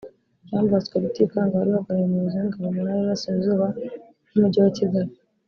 Jean Bosco Rutikanga wari uhagarariye umuyobozi w’ingabo mu Ntara y’Iburasirazuba n’Umujyi wa Kigali